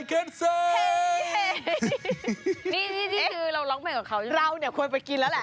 เราเนี่ยควรไปกินแล้วแหละ